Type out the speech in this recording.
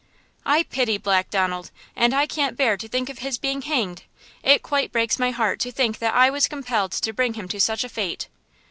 "I pity Black Donald, and I can't bear to think of his being hanged! It quite breaks my heart to think that I was compelled to bring him to such a fate!"